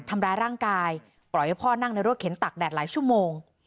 ทำร้ายร่างกายปล่อยให้พ่อนั่งในรถเข็นตักแดดหลายชั่วโมง